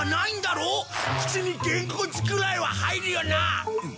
口にゲンコツくらいは入るよな？